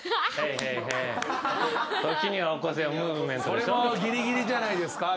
それもギリギリじゃないですか？